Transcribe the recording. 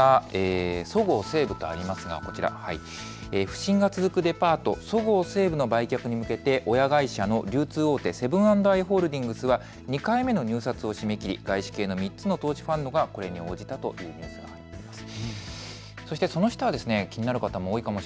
不振が続くデパート、そごう・西武の売却に向けて親会社の流通大手セブン＆アイ・ホールディングスは２回目の入札を締め切り外資系の３つの投資ファンドがこれに応じたというニュースが入っています。